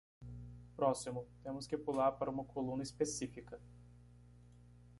Próximo?, temos que pular para uma coluna específica.